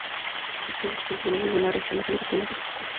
Presenta tres puntos amarillos en la región basal, y dos puntos rojos.